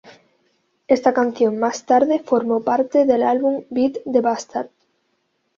Esta canción más tarde formó parte del álbum Beat the Bastards.